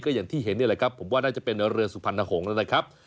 อย่างที่เห็นนี่แหละครับผมว่าน่าจะเป็นเรือสุพรรณหงษ์แล้วนะครับ